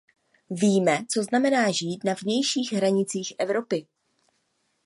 Víme, co znamená žít na vnějších hranicích Evropy.